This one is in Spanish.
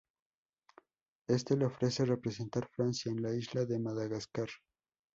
Éste le ofrece representar Francia en la isla de Madagascar.